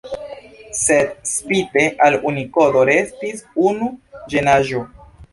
Sed spite al Unikodo restis unu ĝenaĵo.